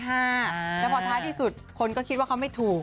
แล้วพอท้ายที่สุดคนก็คิดว่าเขาไม่ถูก